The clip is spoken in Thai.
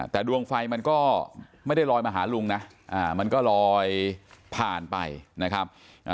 แต่ดวงไฟมันก็ไม่ได้ลอยมาหาลุงนะมันก็ลอยผ่านไปนะครับ